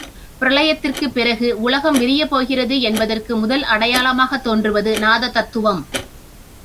பிரளயத்திற்குப் பிறகு உலகம் விரியப் போகிறது என்பதற்கு முதல் அடையாளமாகத் தோன்றுவது நாத தத்துவம்.